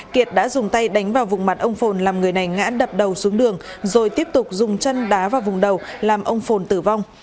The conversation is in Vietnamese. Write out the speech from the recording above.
kiệt đã dùng tay đánh vào vùng mặt ông phồn làm người này ngã đập đầu xuống đường rồi tiếp tục dùng chân đá vào vùng đầu làm ông phồn tử vong